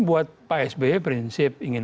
buat pak sby prinsip ingin